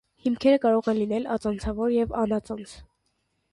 Հիմքերը կարող են լինել ածանցավոր և անածանց։